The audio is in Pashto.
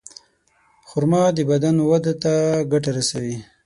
خرما د بدن وده ته ګټه رسوي.